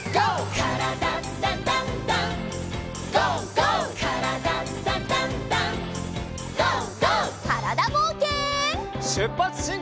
からだぼうけん。